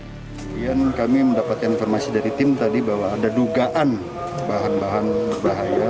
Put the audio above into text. kemudian kami mendapatkan informasi dari tim tadi bahwa ada dugaan bahan bahan berbahaya